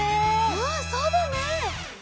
うんそうだね。